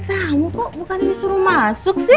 ada kamu kok bukannya disuruh masuk sih